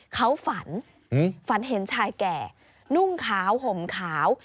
เขาฝันฝันเห็นชายแก่นุ่งขาวห่มขาว